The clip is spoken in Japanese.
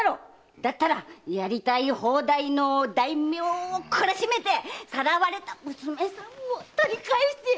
だったらやりたい放題の大名を懲らしめてさらわれた娘さんを取り返せ！